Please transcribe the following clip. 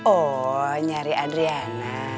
oh nyari adriana